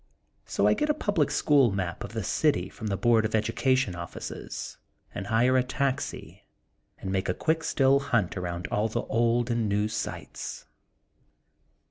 So I get a public school map of the city from the Board of Education oflBices and hire a taxi and make a quick still hunt around all the old and new sites.